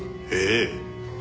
ええ。